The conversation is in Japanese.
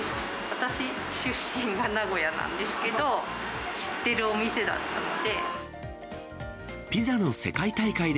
私、出身が名古屋なんですけど、知ってるお店だったので。